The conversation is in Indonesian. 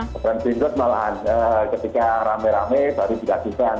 pemakan kebakaran malahan ketika rame rame baru dikajukan